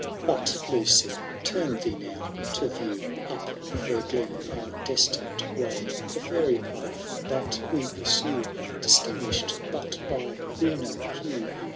But, Lucy, turn thee now, to view Up the fiur glen, our destined way : The &iry path that we punme, DistingiUsh^d but by greener hue.